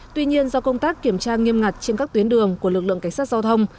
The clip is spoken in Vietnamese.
tuy nhiên do công tác kiểm tra nghiêm ngặt trên các tuyến đường của lực lượng cảnh sát giao thông